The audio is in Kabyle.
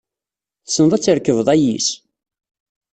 Tessneḍ ad trekbeḍ ayis?